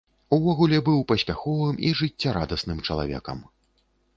Увогуле быў паспяховым і жыццярадасным чалавекам.